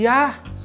ke rumah sakit